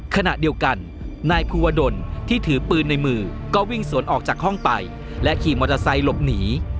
ขณะเดียวกันนายภูวดลที่ถือปืนในมือก็วิ่งสวนออกจากห้องไปและขี่มอเตอร์ไซค์หลบหนี